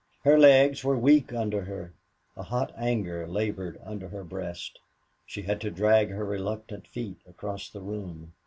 Her legs were weak under her; a hot anger labored under her breast; she had to drag her reluctant feet across the room.